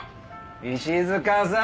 石塚さん。